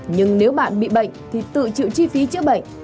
nhưng nếu bạn bị bệnh thì tự chịu chi phí chữa bệnh